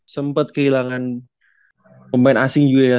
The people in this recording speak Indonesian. sempat kehilangan pemain asing juga ya